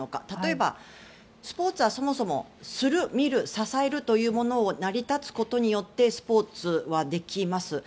例えば、スポーツはそもそもする、見る、支えるということが成り立つことによってスポーツはできます。